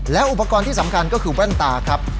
และอุปกรณ์ที่สำคัญก็คือแว่นตาครับ